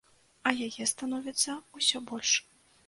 А яе становіцца ўсё больш.